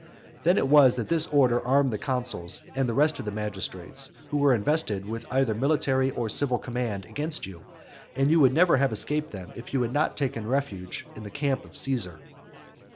Then it was that this order armed the consuls, and the rest of the magistrates who were invested with either military or civil command, against you, and you never would have escaped them, if you had not taken refuge in the camp of Caesar.